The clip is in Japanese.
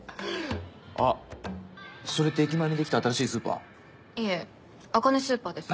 あっそれって駅前にできた新しいスーパー？いえアカネスーパーです。